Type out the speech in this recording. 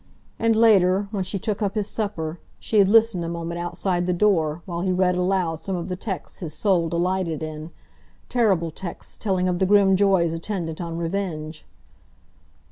And later, when she took up his supper, she had listened a moment outside the door, while he read aloud some of the texts his soul delighted in—terrible texts telling of the grim joys attendant on revenge.